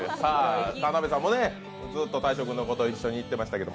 田辺さんも大昇君のことずっと言ってましたけど。